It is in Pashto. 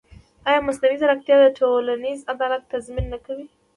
ایا مصنوعي ځیرکتیا د ټولنیز عدالت تضمین نه کوي؟